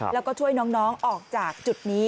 แล้วก็ช่วยน้องออกจากจุดนี้